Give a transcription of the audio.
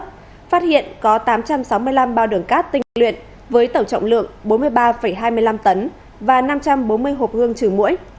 phát hiện có tám trăm sáu mươi năm bao đường cát tinh luyện với tổng trọng lượng bốn mươi ba hai mươi năm tấn và năm trăm bốn mươi hộp hương trừ mũi